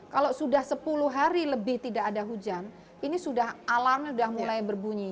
kalau sudah sepuluh hari lebih tidak ada hujan ini sudah alamnya sudah mulai berbunyi